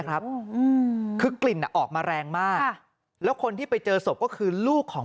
ครับคือกลิ่นอ่ะออกมาแรงมากแล้วคนที่ไปเจอศพก็คือลูกของ